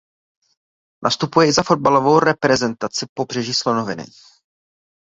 Nastupuje i za fotbalovou reprezentaci Pobřeží slonoviny.